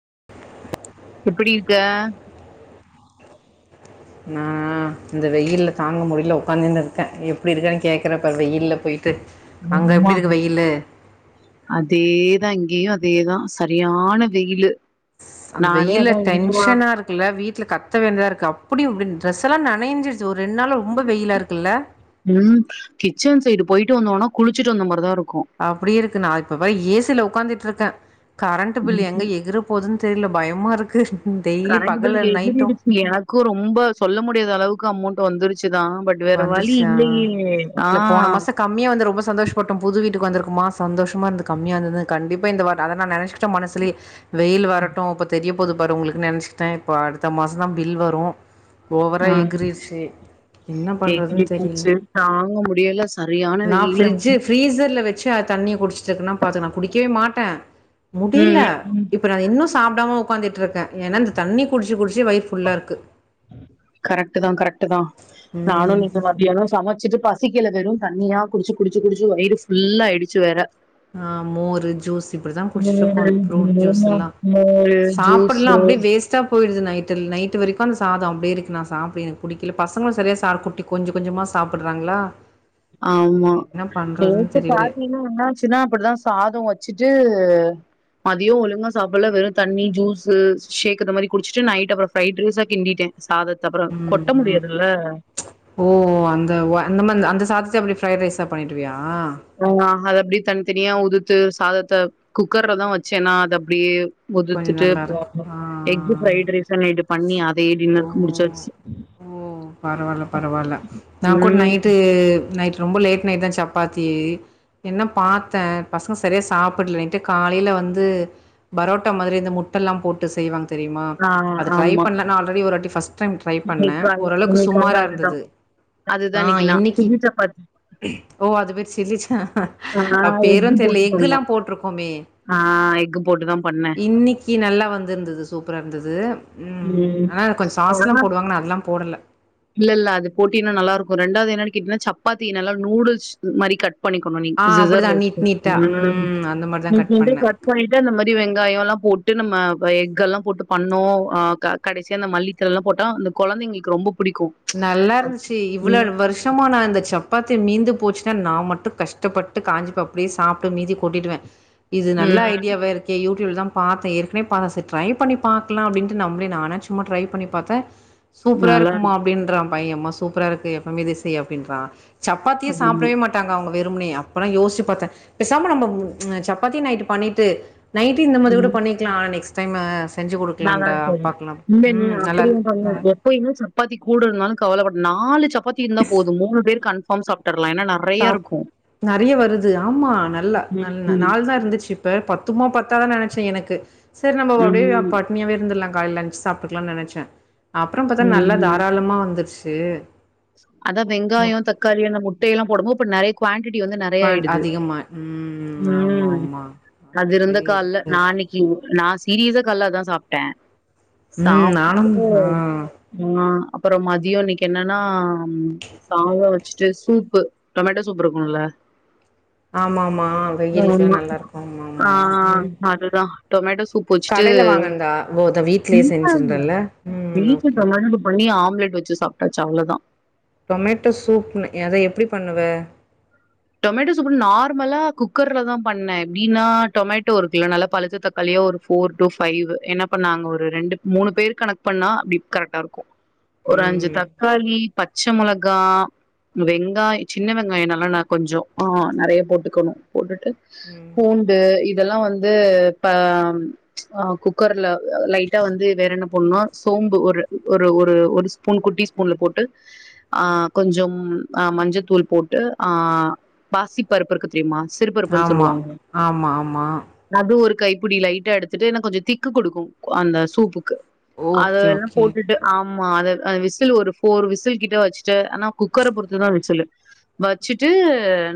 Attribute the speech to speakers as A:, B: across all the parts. A: [inaudible]
B: எப்டி இருக்க
A: நா இந்த வெயில்ல தாங்க முடில உக்காந்துன்னுருக்கே எப்டி இருக்கன்னு கேக்குற பாரு வெயில்ல போயி
B: அம்மா அதேதா இங்கேயு அதேதான் சரியான வெயிலு
A: ஸ் அந்
B: நானே
A: வெயில்ல
B: அதா என்னமா
A: டென்ஷனா இருக்குல்ல வீட் ல‌ கத்த வேண்ட்தா இருக்கு அப்டி வின்‌ டிரஸ் எல்லாம் நனைஞ்சிரு
B: உம் கிச்சன் சைடு போயி ட்டு வந்தோனா குளிச்சுட்டு வந்த மாரிதான் இருக்
A: அப்டி இருக்கு நா இப்ப வ ஏ சில உட்காந்துட்டு இருக் க்க கரண்ட் பில் எங்க
B: ம்
A: எகுர போதுன்னு தெரில பயமா இருக் க்குஹ்
B: கரண்ட்டு பில் எகிரிருச்சு எனக்கு ரொம்ப சொல்ல முடியாத அளவுக்கு அமொண் வந்துருச்
A: வந்துருச்சா
B: ஆ
A: இல்ல போன மாசோ கம்மியா வந்து ரொம்ப சந்தோஷப்பட்டோம் புது வீட்டுக் வந்துருக்குமா சந்தோஷமா இருந்து கம்மியா இருந்ததுனு கண்டிப்பா இந்த வாட் அதா நா நெனச்சிக்கிட்ட மனசுலயே வெயில் வரட்டோ அப்போ தெரியும் போது பாரு உங்களுக்கு நினைச்சிக்கிட்டே இப்போ அடுத்த மாசோ தா பில் வரு ஓவரா எகிரிருச்சு
B: ஏ ம்ச்சு தாங்க முடியல சரியான வெயிலு
A: குக்கர்ல வச்சு அ தண்ணிய குடிச்சிட்ருக்கனா பாத்துக்க நா குடிக்கவே மாட்டே
B: ம்
A: முடில
B: ம் ம்
A: இப்ப நா இன்னு சாப்டாம உகாந்துட்டு இருக்க ஏனா இந்த தண்ணி குடிச்சு குடிச்சு வயித் ஃபுல்லாருக்கு
B: கரெக்ட்டுதா கரெக்ட் ட்டுதா நானோ
A: ம்
B: நீங்க மத்தியானோ சமைச்சிட்டு பஸ் சிக்கல வெறும் தண்ணியா குடிச்சு குடிச்சு குடிச்சு வயிறு ஃபுல்லாயிடிச்சு வேர
A: ஆஹ் மோரு ஜூஸ் இப்படித்தான் குடிச்சட்டு இருக்கோம் ஃப்ரூட் ஜூஸ்
B: ம்.
A: எல்லாம்
B: மோரு,
A: சாப்பிடலாம்
B: ஜூஸு
A: அப்படியே வேஸ்ட்டா போயிடுது நைட்டு நைட்டு வரைக்கும் அந்த சாதம் அப்படியே இருக்கு நான் சாப்பிட குடிக்கல பசங்களும் சரியா சா குட்டி கொஞ்சம் கொஞ்சமா சாப்பிடுறாங்களா
B: ஆமா கேட்டு
A: தெரில
B: பா்த்தீன்னா என்ன ின்னா அப்படிதான் சாதம் வச்சுட்டு மதியம் ஒழுங்கா சாப்பிடலாம் வெறும் தண்ணி ஜூஸு ஷேக் இந்த மாதிரி குடிச்சிட்டு நைட் அப்புறம் ஃப்ரைட் ரைஸா கிண்டட்டேன்
A: உம் உம் ஓ அந்த அந்த அந்த ச அப்படி பிரப்ரை் ரைா பண்ணிட்டுியா
B: ஆஹ் அதது அப்படி தனித்தனியா உது து சாதத்த குக்கர்லதா வச்சேன்னா அது அப்டியே
A: கொஞ்ச
B: உதத்துட்டுகு
A: நல்லாருக்கு ஆ
B: எக்கு
A: ஆ.
B: பிரைஸ்ல்லட்டு பண்ணி அதே
A: ஓ
B: டின்னருக்கு முடிச்சசு
A: ஓ பரவால்ல, பரவால்ல. நான் கூட
B: உம்ம்
A: நைட்டு நைட் ரொம்ப லேட் நைட் தா சப்பாத்தி என்ன பாத்தே பசங்க சரியாக சாப்பிடல நைட்டு காலையில வந்து பரோட் முட்ட மாரி இந்த முட்டெல்லா போட்டு செய்வாங் தெரியுமா
B: ஆ
A: அத ட்ரை
B: ஆமா
A: பண்ணல ஆல்ரெடி ஒருவட்டி பஸ்ட் டின் டிரை பண்ண
B: இன்னைக்கு கால்ல
A: ஓரளவுக்கு
B: இன்னைக்கு கால்ல
A: சும்மாரா
B: அதுதா
A: இருந்தது
B: அதுதா
A: ஆஹ
B: இன்னைக்கு நா
A: இன்னைக்கி
B: சுஜி சப்பாத்தி
A: ஓ அது பேரு சிலி ச்ச
B: ஹா எக்
A: போட்ருக்கோமே.
B: போட்டு தா பண்னு
A: இன்னைக்கு நல்லா வந்துருந்து சூப்பரா இருந்தது உம்
B: ம்
A: ஆ கொஞ்சோ சாஸ்லா
B: ஆனா
A: போடுவாங்கள அதெல்லா போடல
B: இல்ல இல்ல அது போட்டியனா நல்லா இருக்கு ரெண்டாவதுன்னு கேட்டீங்னா சப்பாத்தி நல்லா நூடுல்ஸ் மாரி கட் ட் பன்னிகுங்க
A: ஆ அப்படிதான்
B: சிஸ்ஸர்ல
A: நீட் நீட்டா ம் அந்த மாரிதான்
B: [unintelligible]
A: பண்ணே
B: கட் பன்னிடே வெங்காயோல்லா பொட்டு நம்ம எக் எல்லாம போட்டு பண்ணோம் கடைசியா அந்த மல்லித்த எல்லாம போட்டா அந்த கொழந்தைங்களுக்கு ரொம்ப புடிக்கு
A: நல்லாருந்துச்சு
B: ம்
A: இவ்ளோவு வருஷமோ நா இந்த சப் சப்பாத்தி மீந்து போச்சுன்னா நா மட்டு கஷ்டப்பட்டு காஞ்சிப்ப அப்டியே சாப்பிட்டு மீந்தி கொட்டிடுவே இது நல்ல
B: ம்
A: ஐடியாவெ இருக்கே யூ தான் பேன் ஏற்கனவே ட்ரை பண்ணி பாக்கலான் அப்படின்ட்டு நம்மள நச்சும்மா ட்ரை பி ப பா்த்தே சூப்பரா
B: நல்லா
A: இருக்குமா றான் பையன்ம்மா சூப்பரா இருக்கு எப்பவுமே இதேசெய் அப்படின்றா சப்பாத்திய
B: இருக்கு
A: சாப்பிடவே மாட்டாங்க அவங் வெரும்னே அப்பல்லா யோசி பார்த்தே பேசாம நம்ம சப்பாத்தி நைட்டு பண்ணிட்டு நைட்டையு இந்த மாரி
B: ம்
A: கூட பண்ணிக்கலா நெக்ஸ்டு டைமே
B: நல்லா இருக்க நீ நீங்க
A: நல்லா
B: அப்டிய
A: இருக்கு
B: ப
A: நல்லா
B: எப்பயமுமே ச ப்பத்தி கூடு இருந்தாலு கவலப்படு நாலுசப்பாத் பத்தி இருந்தா போது மூணு பேர் க பம்சாப்டது
A: தா நெறைய வருது ஆமா நல்ல நல்ல
B: ம்
A: நாலு தா இருந்துச்சு இப்ப பத்துமா பத்தாதானு ச் எனக்கு சரி நம்ம அப்டியே
B: ம்
A: பட்டனியாவே இருந்துலாங் காலங் ஏஞ்சு சாட்டுக்லனு நெனச்சே அப்றோ பாத்தா நல்லா தாராளமா வந்துருச்சு தே
B: அதா வெங்காயொ தக்காளி அந்த முட் டயல்லா போடம் போ அப்ப நறைய க்வான் டிடி வந்து நறையா
A: முக்கான்
B: ஆய்டுது
A: அதிகமா ம் ஆமா
B: ம்
A: ஆமா அந்த
B: அது இருந்த
A: மாதிரி
B: கால்ல
A: இருக்கு
B: நான்னக்கி நா சீரியஸா கால்ல அதா சாப்ட்ட
A: ம் நானும்
B: சாப்ட்டுட்டு
A: ஆ
B: அ அப்பறொ மதியொ இன்னக்கி என்னா னா ம் சாதொ [unintelligible] ச்சிட்டு சூப்பு டொமேட்டோ சூப் இருக்குல்ல
A: ஆமா ஆமா வெயிலுக்குலா
B: ஆமா
A: நல்லா இருக்கு மா
B: ஆ
A: மா ம்
B: அதுதா டொமேட்டோ சூ ப்பு வெச்சுட்டு
A: கடைல வாங்கன்தா ஓ அத வீட்லயே
B: இல்ல இல்ல
A: செஞ்சுன்றல்ல ம்
B: வீட்ல
A: ஓகே ஓகே
B: [unintelligible] பண்ணி ஆம்லெட் வெச்சு சாப்ட்டா சவ்ளொதா
A: டொமேட்டோ சூப்ன அதா எப்டி பண்ணுவ
B: டொமேட்டோ சூப்புன் நார்மலா குக்கர்லதா பண்ண எப்டின்னா டொமேட்டோ இருக்குல்ல நல்லா பழுத்த தக்காளியா ஒரு ஃபோர் டு ஃபைவு என்ன பண்ணாங்க ஒரு ரெண்டு மூணு பேர் கணக் பண்ணா அப்டி கரெக்ட்டா இருக்கு ஒரு அஞ்சு
A: ம்
B: தக்காளி பச்ச மொளகா வெங்காய் சின்ன வெங்காயொ நல்லா ந கொஞ்சொ ஆ நறைய போட்டுக்கொணு போட்டுட்டு
A: ம்
B: பூண்டு இ தெல்லா வந்து இப்ப ஆ குக்கர்ல லைட்டா வந்து வேற என்ன போண்ணு சோம்பு ஒரு ஒரு ஒரு ஒரு ஸ்பூன் குட்டி ஸ்பூன்ல போட்டு ஆ கொஞ்சம் அ மஞ்சத்தூள் போட்டு அ ஆ பாசி பருப்பு இருக்கு தெரிமா சிறு பருப்புன்
A: ஆமா
B: சொல்லுவாங்க
A: ஆமா ஆமா
B: அது ஒரு கைப்புடி லைட்டா எடுத்துட்டு எனா கொஞ்சொ திக்கு குடுக்கு அந்த சூப்புக்கு அத
A: ஓகே
B: எல்லா
A: ஓகே
B: போட்டுட்டு ஆ ஆமா அத அ விசில் ஒரு ஃபோர் விசில் கிட்ட வச்ட்டு ஆனா குக்கர பொறுத்து தா விசுலு சிட்டு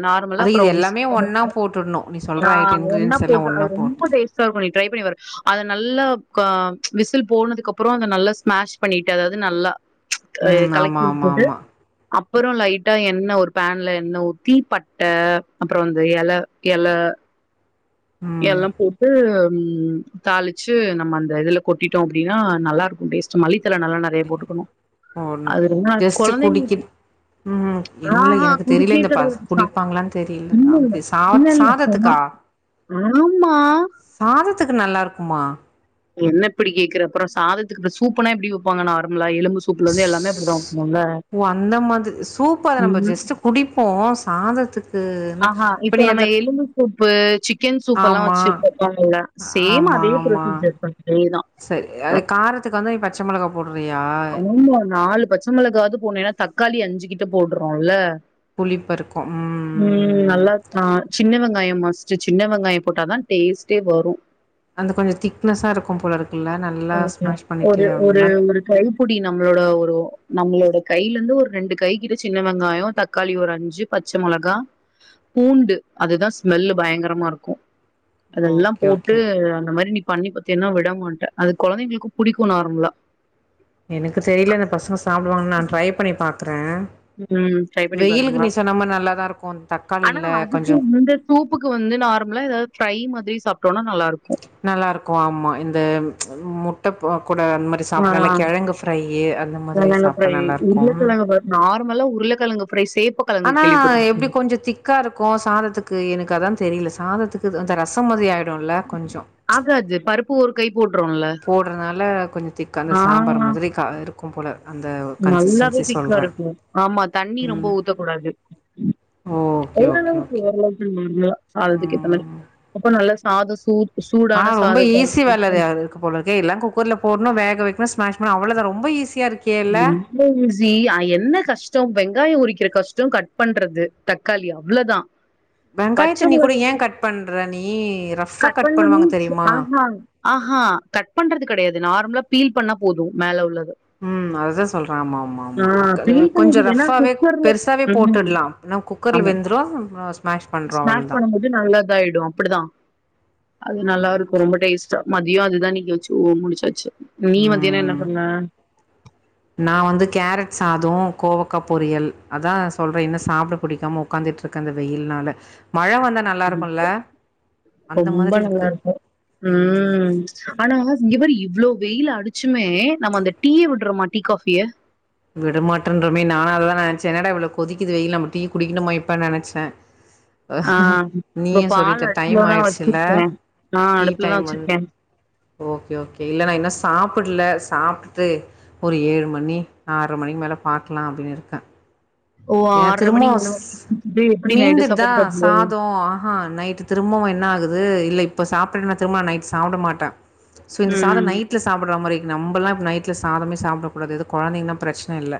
B: நார்மலா
A: அது
B: அப்புற
A: இது
B: விசில்
A: எல்லாமே ஒன்னா
B: விடணு
A: போட்டுட்ணு நீ சொல்ற
B: நா
A: ஐட்ட
B: எண்ணெ
A: இன்கிரீடியன்ஸ் எல்லா
B: போட்டு
A: ஒன்னா
B: அது
A: போட்டு
B: ரொம்ப டேஸ்ட்டா இருக்கு நீ ட்ரை பண்ணி பாரு அத நல்லா க விசில் போனதுக்கு அப்புற அத நல்லா ஸ்மாஷ் பண்ணிட்டு அதாவது நல்லா
A: ம்
B: கலக்கி
A: ஆமா ஆமா
B: உட்டுட்டு
A: ஆமா
B: அப்புற லைட்டா எண்ணெ ஒரு பேன்ல எ ண்ணெ ஊத்தி பட்ட அப்புற அந்த எல எல
A: ம்
B: எல்லா போட்டு ம் தாளிச்சு நம்ம அந்த இதுல கொட்டிட்டோ அப்டினா நல்லாருக்கு டேஸ்ட்டு மல்லி தல நல்லா நெறையா போட்டுக்கணு
A: போட்ணு
B: அதிருந்தால்
A: ஜஸ்ட்டு குடிக்கி
B: கொழந்தைங்களுக்கு
A: ம் இல்ல
B: ஆஹா
A: எனக்கு தெரில
B: குறுக்கே
A: இந்த பச
B: கிடையாதுப்பா.
A: குடிப்பாங்களான் தெரில
B: இல்ல, இல்ல.
A: அப்ப
B: இல்ல,
A: சாத்
B: இல்ல. சொன்னா
A: சாதத்துக்கா
B: ஆமா.
A: சாதத்துக்கு நல்லாருக்குமா
B: என்ன இப்பிடி கேக்குற அப்புற சாதத்துக்கு இப்ப சூப்புனா எப்படி வெப்பாங்க நார் [unintelligible] எலும்பு சூப்புல இருந்து எல்லாமே அப்படி தான் வைப்போம்யில
A: ஓ அந்த
B: ம்
A: ப்போ சாதத்துக்கு
B: ஆஹஹா இப்ப நம் எலும்பு சூப் பு சிக் சிக்கன் சூப்ப எல்லாம்
A: ஆமா
B: வச்சு கொடுப்பாங்கள சேம்
A: ஆமா
B: அதே
A: ஆமா
B: ப்ரொசீஜர் தான். அதே தான்
A: சரி அது காரத்துக்கு வந்து நீ பச்ச மொளகா போடுறியா
B: ஆமா நாலு பச்சை மொளகாவது ன்னா தக்காளி அஞ்சுகிட்டு போட்றோல்ல
A: புலி பருக்கம் ம் ம்
B: நல்லா ஆ சின்ன வெங்காயம் மஸ்ட் சின்ன வெங்காயம் போட்டாதான் டேஸ்ட்டே வரும்
A: அந்த கொஞ்சம் திக்னஸா இருக்கும் போல இருக்கு
B: ஒரு ஒரு ஒரு கைபடி நம்மளோட ஒரு நம்மளோட கையில இருந்து ஒரு ரெண்டு கை கிட்ட சின்ன வெங்காயம் தக்காளி ஒரு அஞ்சு பச்சை மொளகா பூண்டு அதுதான் ஸ்மெல்லு பயங்கரமா இருக்கும். அதெல்லாம்
A: ஓகே
B: போட்டு
A: ஓகே
B: அந்த மாரி நீ பண்ணி பாத்தின்னா விடமாட்டே அது குழந்தைங்களுக்கு பிடிக்கும் நார்மலா
A: எனக்கு தெரியல இந்த பசங்க சாப்பிடிவாங்கு நான் ட்ரை பண்ணி பாக்
B: ம் டிரைபண்ணி பாரு நல்லா
A: நீ
B: இருக்கும்
A: சொன்ன மாரி நல்லாதா இருக்கும்
B: ஆனா
A: தக்காளில
B: அதுக்கு
A: கொஞ்சோ
B: இந்த சூப்புக்கு வந்து நார்மலா ஏதாவது பிரை மாரி சப்
A: நல்லா இருக்கும் ஆமா இந்த முட்டை போ கூட அந்த மாரி
B: ஆ
A: சாப்ட்லா நல்லா கிழங்கு ஃப்பிரைய அந்த மாரி சாப்ட்டா நல்லாருக்கும்
B: மல்ல உருளை கிழங்கு ஃப்ரைசேப்
A: ஆனா எப்படி கொஞ்சம் திக்கா இருக்கும் சாதத்துக்கு எனக்கு அதான் தெரியல ச சாதத்துக்கு அந்த ரசம் மாரி ஆய
B: ஆகாது பருப்பு கை போட்றோல்ல
A: போட்றதுனால கொஞ்சம் திக்க அந்த சாம்பார்
B: ஆ
A: மாதிரி இருக்கும் கும் போல அந்த
B: நல்லாவே
A: கன்சிஸ்டன்சி
B: திக்கா
A: சொல்றே
B: இருக்கும் ஆமா தண்ணி ரொம்ப
A: ம்
B: ஊத்தக்கூடாது
A: ஓகே ஓகே
B: ஓரளவுக்கு
A: ஓகே
B: ஓரளவுக்கு நார்மலா சாதத்துக்கு ஏத்த மாரி அப்ப நல்லா சாத சூத்
A: ஆ ரொம்ப ஈசி வேல இருக்கு போல இருக்க எல்லாம் குக்கர்ல போட்ணும் வேக வைக்க [unintelligible] அவ்வள தான் ரொம்ப ஈஸி
B: ரொம்ப ஈசி என்ன கஷ்டம் வெங் வெங்காய உரிக்கிற கஷ்டம் கட் பண்றது தக்காளி அவ்வளவுதான் பச்ச
A: வெங்காயத்த நீ கூட
B: மொளகா
A: ஏ கட் பண்ற நீ ரஃப்பா
B: கட் பண்ண
A: பண்ணுவாங்க
B: மீன்ஸ்
A: தெரியுமா
B: ஆமா ஆஹா கட் பண்றது கெடையாது நார்மலா பீல் பண்ணா போது மேல உள்ளது
A: ம் அதுதா சொல்றே ஆமா ஆமா
B: ஆ
A: ஆமா அது
B: பீல்
A: கொஞ்ச
B: பண்ணிடு ஏன்னா
A: ரஃப்பாவே
B: குக்கர்ல
A: பெருசாவே
B: ம்
A: போட்டுர்லா நா குக்கர்ல வெந்துரு ஸ்மாஷ் பண்றோ
B: ஸ்மேஷ்
A: அவ்ளோதா
B: பண்ணு போது நல்லத் ஆயிடு அப்படிதா அது
A: ஆ
B: நல்லா இருக்கு
A: ஓகே
B: ரொம்ப டேஸ் ச மதியோ அதுதா இன்னிக்கு வச்சு முடிச்சாச்சு நீ மத்தியானோ என்ன
A: ம்
B: பண்ண
A: நா வந்து கேரட் சாதோ கோவக்கா பொரியல் அதா சொல்றே இன்னு சாப்ட புடிக்காம உக்காந்துட்டு இருக்கேங்கறது வெயில்னால மழை வந்தா நல்லாருக்கும்ல? அந்த
B: ரொம்ப
A: மாதிரி
B: நல்லா இருக்கு ம் ஆனா இங்க பாரு இவ்ளோ வெயில் அடிச் ச்சுமே நம்ம அந்த டீய விடுறோமா டீ காஃபிய
A: விட மாட்டோன்றமே நானு அததா நெனச்சே என்னடா இவ்ளோ கொதிக்கிது இ நம்ம டீ குடிக்கணுமா இப்ப நெனைச்சே
B: ஆ இப்ப
A: நீயு
B: பால்
A: சொல்லிட்ட டைம்
B: அடுப்புலதா
A: ஆயிட்ச்சுல
B: வச்சிருக்கே ஆ
A: டீ
B: அடுப்புலதா
A: டைம் வந்து
B: வச்சிருக்கே
A: ஓகே ஓகே இல்ல நா இன்னு சாப் புட்டல சாப்ட்டுட்டு ஒரு ஏழு மணி நா ஆர்ர மணிக்கு மேல பாக்கலா அப்டின்னு இருக்கே
B: ஓ
A: ஏ
B: ஆர்ற மணி
A: திரும்பவு
B: ஏழு மணி எப்டி நைட்டு
A: மீந்துட்தா
B: சாப்பாடு சாப்டுவ
A: சாதோ ஆஹா நைட்டு திரும்பவு என்ன ஆகுது அது இல்ல இப்ப சாப்பிடனா திரும்ப நைட் சாப்ட மாட்டே சோ இந்த சாதோ
B: ம்
A: நைட்ல சாப்புட்ற மாரி நம்பலா நைட் ல சாதமே சாப்பிட கூடாது இதே கொழந்தைங்கனா பிரச்சன இல்ல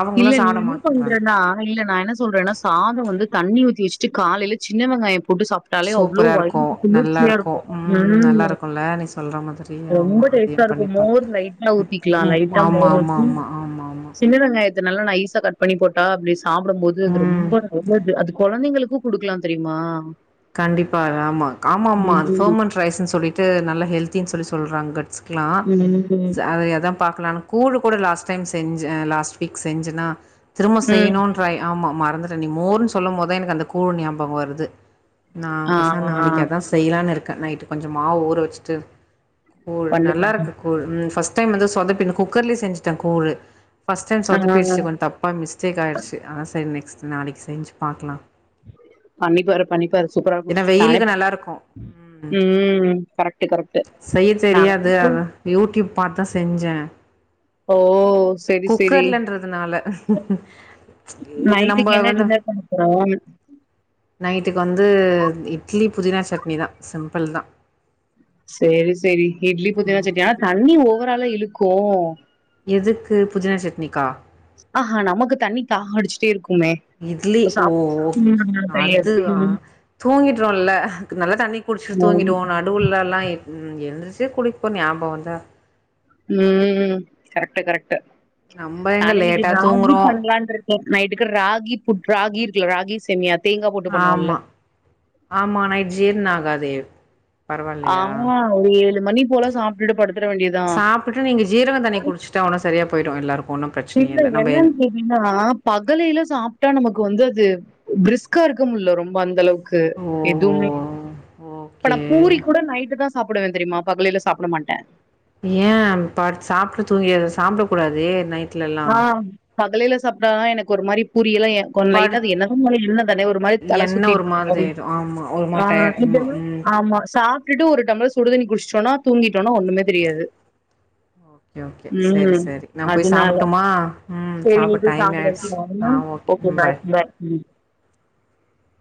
A: அவங்களு
B: இல்ல நீ
A: சாப்ட
B: என்ன
A: மாட்றாங்க
B: பண்றனா இல்ல நா என்ன சொல்றேனா சாதோ வந்து தண்ணி ஊத்தி வச்சுட்டு காலையில சின்ன வெங்காயோ போட்டு சாப்ட்டாலே அவ்ளோ
A: சூப்பரா இருக்கு
B: வயிறுக்கு
A: நல்லா
B: குளிர்ச்சியா
A: இருக்கு ம் நல்லா இருக்குல நீ சொல்ற மாதிரி
B: ரொம்ப
A: ஆமா அதையு
B: டேஸ்ட்டா இருக்கும்
A: பண்ணிப்ப
B: மோர் லைட்டா ஊத்திக்கலா
A: ம்
B: லைட்டா
A: ஆமா ஆமா ஆமா ஆமா ஆமா
B: இத நல்லா நைசா கட் பண்ணி போட்டா அப்டி சாப்டும் போது அது
A: ம்
B: ரொம்ப [unintelligible] அது கொழந்தைங்களுக் கு குடுக்கலா தெரியுமா
A: கண்டிப்பா ஆமா ஆமா ஆமா அது
B: ம்
A: ஃபோர்மண்ட் ரைஸ்ன்னு சொல்லிட்டு நல்லா ஹெல்தின் சொல்லி சொல்றாங் கட்ஸ் க்லா
B: ம்
A: ச எதா பாக்லானு கூழு கூட லாஸ்டைம் செஞ்சே லாஸ்ட் வீக் செஞ்சனா திரும்ப
B: ம்
A: செய்ணுன்றய் ஆமா மா வந்துட்ட நீ மோர்ன் சொல்லம் போதே எனக்கு அந்த கூழ் ஞாபகோ வருது நா
B: ஆ
A: பெசா நாளக்கி அதா செய்லான் இருக் க நைட்டு கொஞ்சோ மாவு ஊற வச்சுட்டு கூழ்
B: பண்ணு பண்ணு
A: நல்லாருக்கு கூழ் ம் ஃபஸ் டைம் வந்து சொதப்பிர்து குக்கர்லே செஞ்சிட்டே கூழு ஃபஸ் டைம்
B: ஆ
A: சொதப்பிர்ச்சு கொஞ் தப்பா மிஸ்டேக் ஆயிர்ச்சு ஆஹ் செரி நெக்ஸ் நாளைக் செஞ்ச் பாக்லா
B: பண்ணிப்பாரு பண்ணிப்பாரு சூப்பராருக்கு
A: ஏன்னா
B: நானே
A: வெயிலுக்கு நல்லா இருக்கு
B: [inaudible] ம் கரக்டு கரக்டு நானே [inaudible]
A: தா செஞ்சே
B: ஓ செரி செரி
A: குக்கர்லன்றதுனால இது நம்ப
B: நைட்டுக்கு என்ன டின்னர் பண்ண போற
A: நைட்டுக் வந் து இட்லி புதினா சட்னி தா சிம்ப்பிள் தா
B: சேரி சேரி இட்லி புதினா சட்னி ஆனா தண்ணி ஓ வராலா இழுக்கு
A: எதுக்கு புதினா சட்னிக்கா
B: ஆஹா நமக்கு தண்ணி தாக அடிச்சுட்டே இருக்குமே
A: இட்லி
B: இப்ப
A: ஓ
B: சாப்
A: ஓகே
B: ம் தெரியாது
A: அது ஆ
B: ம்
A: தூங்கிட்றோல்ல நல்லா தண்ணி குடிச்ட்டு
B: ம்
A: தூங்கிடுவோ நடுவ்லல்லா ம் எழுந்துருச்சு குடிப்போ ஞாபோ வந்தா
B: ம் கரெக்ட்டு கரெக்ட்டு
A: நம்ப எங்க
B: நானே இன்னிக்கு
A: லேட்டா
B: ராகி
A: தூங்குறோ
B: பண்ணலான்ருக்கே நைட்டுக்கு ராகி புட் ராகி இருக் குல்ல ராகி சேமியா தேங்கா போட்டு பண்ணுவோல்ல
A: ஆமா ஆமா நைட் ஜீர்ணோ ஆகதே
B: ஆமா ஒரு ஏழு மணி போல சாப்டுட்டு படுத்தற வேண்டியதா
A: சாப்ட்டுட்டு நீங்க ஜீரக தண்ணி குடிச்சுட்டா ஒன்னும் சரியா போயிடு எல்லாருக்
B: இல்ல என்னன் கேட்டீங்கனா பகலைல சாப்ட்டா நமக் கு வந்து அது ப்ரிஸ்க்கா இர்க்க முட்ல ரொம்ப அந்தளவுக் கு
A: ஓஹோ!
B: எதுமே ப்ப
A: ஓகே.
B: நா பூரி கூட நைட்டு தா சாப்புடுவே தெரியுமா பகலைல சாப்ட மாட்டே
A: ஏ பார் சாப்ட்டு தூங்கீர்றது சாப்ட கூடாது டே நைட்
B: ஆஹ் பகலைல சாப் ட்டா எனக் ஒரு மாரி [unintelligible] கொன்
A: படு
B: லைட்டா அது [unintelligible] இல்ல தானே ஒரு மாரி தல
A: என்ன ஒரு
B: சுத்திட்
A: மாதிரி ஆயிடும். ஆமா ஒரு மாரி டயர்ட் ஆமா. ம்.
B: [inaudible] ஆமா சாப் ட்டுட்டு ஒரு டம்ளர் சுடுதண்ணி குடிச்ட்டோன்னா தூங்கிட்டோனா ஒன்னுமே தெரியாது
A: ஓகே ஓகே சரி சரி நா போய் சாப்புட்டு
B: செரி நீ போய் சாப்டு [unintelligible] ஓகே பாய் ம்